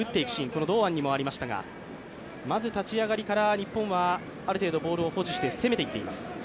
この堂安にもありましたが、まず立ち上がりから日本はある程度ボールを保持して攻めていっています。